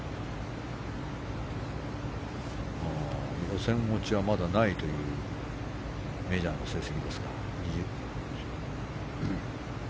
予選落ちはまだないというメジャーの成績です。